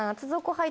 はい。